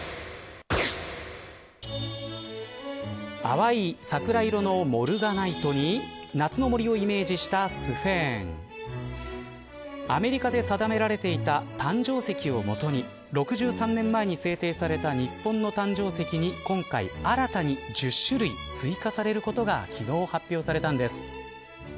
淡い桜色のモルガナイトに夏の森をイメージしたスフェーンアメリカで定められていた誕生石をもとに６３年前に制定された日本の誕生石に今回、新たに１０種類追加されることが昨日、発表されたんです。